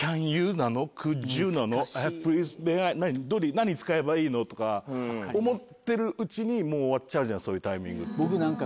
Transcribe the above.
何使えばいいの？とか思ってるうちにもう終わっちゃうそういうタイミングって。